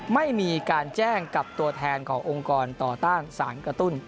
ไม่มีการแจ้งกับตัวแทนขององค์กรต่อต้านสารกระตุ้น